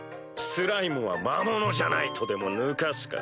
「スライムは魔物じゃない」とでも抜かすか？